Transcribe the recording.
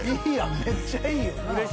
めっちゃいいよな。